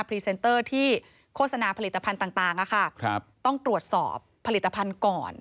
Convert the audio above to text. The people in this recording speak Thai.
รีเซนเตอร์ที่โฆษณาผลิตภัณฑ์ต่างต้องตรวจสอบผลิตภัณฑ์ก่อน